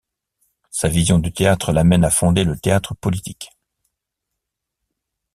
Sa vision du théâtre l’amène à fonder le théâtre politique.